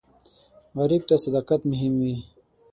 غریب ته صداقت مهم وي